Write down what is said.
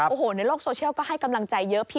โอ้โหในโลกโพสเซียลให้กำลังใจเยอะ